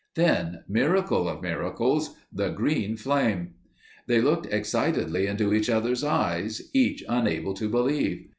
Then, miracle of miracles—the green flame. They looked excitedly into each other's eyes, each unable to believe.